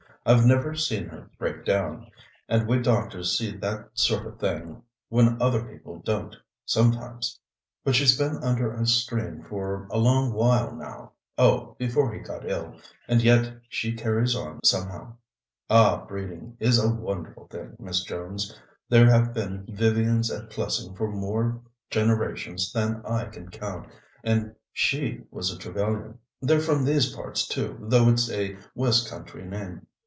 I've never seen her break down, and we doctors see that sort of thing when other people don't sometimes. But she's been under a strain for a long while now oh, before he got ill and yet she carries on somehow. Ah, breeding is a wonderful thing, Miss Jones. There have been Vivians at Plessing for more generations than I can count, and she was a Trevellyan. They're from these parts, too, though it's a West Country name.